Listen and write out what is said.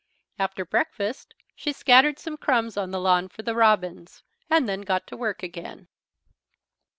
After breakfast she scattered some crumbs on the lawn for the robins, and then got to work again.